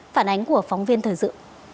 phản ánh của phóng viên thời dự